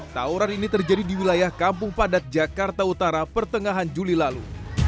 tawuran ini terjadi di wilayah kampung padat jakarta utara pertengahan juli lalu